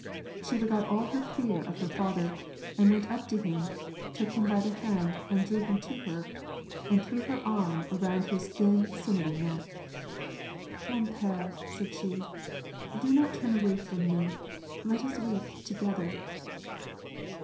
She forgot all her fear of her father, and went up to him, took him by the hand, and drew him to her, and threw her irm around his thin, sinewy neck. •" Man pere f " said she, " do not turn away from me ; let us weep together